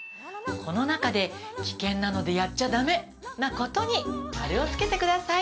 この中で危険なのでやっちゃ駄目なことに丸をつけてください。